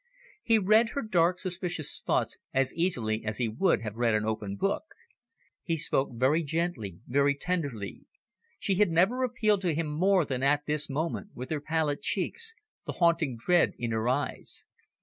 He read her dark, suspicious thoughts as easily as he would have read an open book. He spoke very gently, very tenderly. She had never appealed to him more than at this moment, with her pallid cheeks, the haunting dread in her eyes.